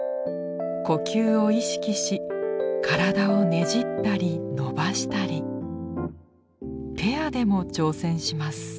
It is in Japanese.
呼吸を意識し体をねじったり伸ばしたりペアでも挑戦します。